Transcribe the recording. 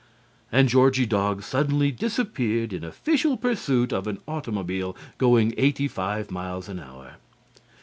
And Georgie Dog suddenly disappeared in official pursuit of an automobile going eighty five miles an hour.